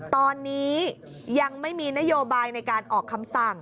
ตอนนี้ยังไม่มีนโยบายในการออกคำสั่ง